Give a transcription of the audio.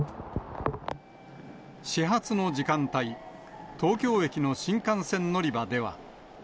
始発の時間帯、東京駅の新幹線乗り場では。